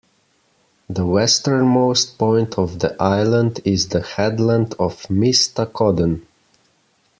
The westernmost point of the island is the headland of Mistakodden.